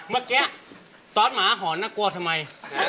เมื่อกี้ตอนหมาหอนน่ากลัวทำไม